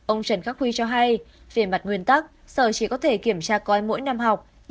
ông trần khắc huy cho hay về mặt nguyên tắc sở chỉ có thể kiểm tra coi mỗi năm học